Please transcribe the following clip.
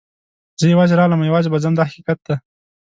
زه یوازې راغلم او یوازې به ځم دا حقیقت دی.